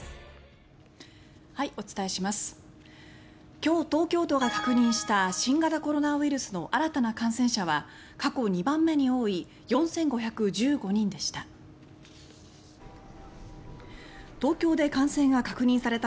今日、東京都が確認した新型コロナウイルスの新たな感染者は過去２番目に多い４５１５人でした。